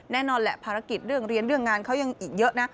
แน่นอนแหละภารกิจเรื่องเรียนเรื่องงานเขายังอีกเยอะนะ